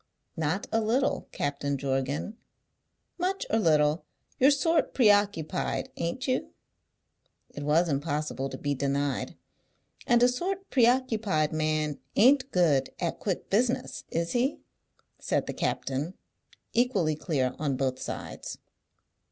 "Not a little, Captain Jorgan." "Much or little, you're sort preoccupied; ain't you?" It was impossible to be denied. "And a sort preoccupied man ain't good at quick business, is he?" said the captain. Equally clear on all sides.